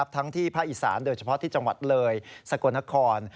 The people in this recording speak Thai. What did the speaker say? ทั้งที่พระอิศราณเดี๋ยวเฉพาะที่จังหวัดเลยร์สกลนคร